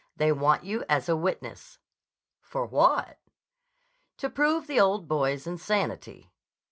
They want you as a witness." "For what?" "To prove the old boy's insanity."